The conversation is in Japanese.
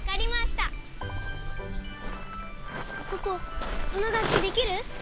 ポポこのがっきできる？